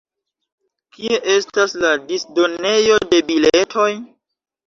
Kie estas la disdonejo de biletoj?